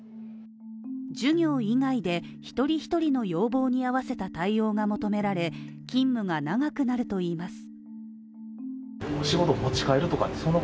授業以外で一人一人の要望に合わせた対応が求められ、勤務が長くなるといいます。